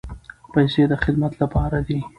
پیسې د خدمت لپاره دي.